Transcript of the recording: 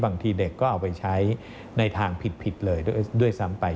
บางทีเด็กก็เอาไปใช้ในทางผิดเลยด้วยซ้ำไป